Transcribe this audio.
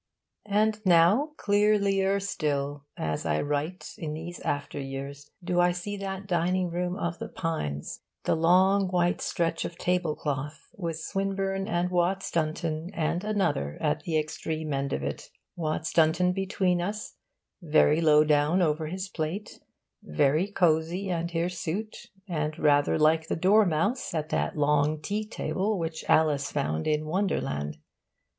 And now, clearlier still, as I write in these after years, do I see that dining room of The Pines; the long white stretch of table cloth, with Swinburne and Watts Dunton and another at the extreme end of it; Watts Dunton between us, very low down over his plate, very cosy and hirsute, and rather like the dormouse at that long tea table which Alice found in Wonderland.